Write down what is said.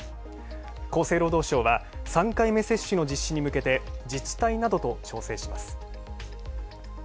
厚生労働省は３回目接種の実施に向けて自治体などと調整します。